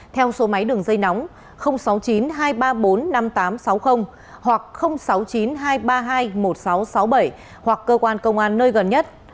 theo số máy đường dây nóng sáu mươi chín hai trăm ba mươi bốn năm nghìn tám trăm sáu mươi hoặc sáu mươi chín hai trăm ba mươi hai một nghìn sáu trăm sáu mươi bảy hoặc cơ quan công an nơi gần nhất